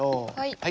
はい。